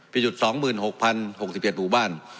ผิดจุด๒๖๐๖๗บุตรบ้าน